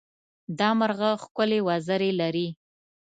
دا مرغه ښکلې وزرې لري.